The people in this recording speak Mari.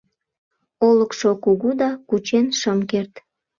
Олыкшо кугу да, кучен шым керт.